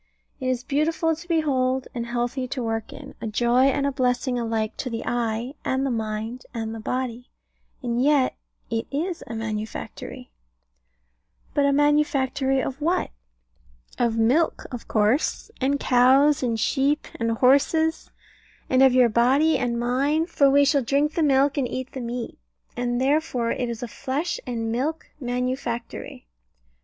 It is beautiful to behold, and healthy to work in; a joy and blessing alike to the eye, and the mind, and the body: and yet it is a manufactory. But a manufactory of what? Of milk of course, and cows, and sheep, and horses; and of your body and mine for we shall drink the milk and eat the meat. And therefore it is a flesh and milk manufactory.